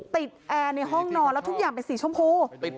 แอร์ในห้องนอนแล้วทุกอย่างเป็นสีชมพู